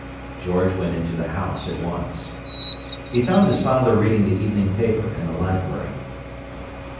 George went into the house at once. He found his father reading the evening paper in the library.